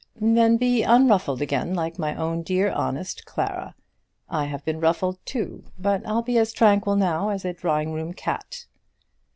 "Then be unruffled again, like my own dear, honest Clara. I have been ruffled too, but I'll be as tranquil now as a drawing room cat."